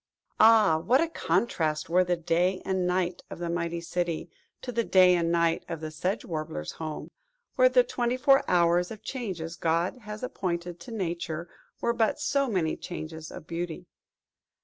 Ah! what a contrast were the day and night of the mighty city, to the day and night of the Sedge Warbler's home, where the twenty four hours of changes God has appointed to nature were but so many changes of beauty!